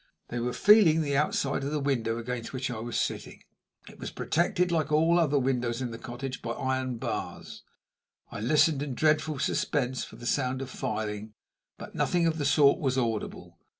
They were feeling the outside of the window against which I was sitting. It was protected, like all the other windows in the cottage, by iron bars. I listened in dreadful suspense for the sound of filing, but nothing of the sort was audible.